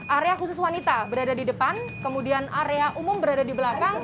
area khusus wanita berada di depan kemudian area umum berada di belakang